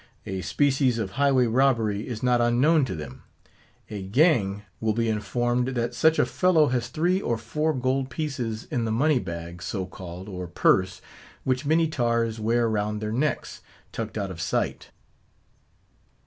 A species of highway robbery is not unknown to them. A gang will be informed that such a fellow has three or four gold pieces in the money bag, so called, or purse, which many tars wear round their necks, tucked out of sight.